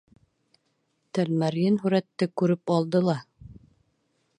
Тәлмәрйен һүрәтте күреп алды ла: